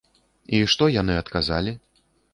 І што яны адказалі?